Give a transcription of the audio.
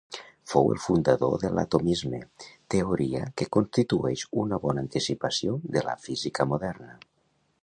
Fou el fundador de l'atomisme, teoria que constitueix una bona anticipació de la física moderna.